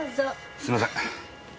すいません。